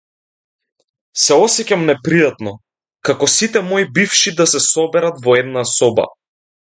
Се осеќам непријатно како сите мои бивши да се соберат во една соба.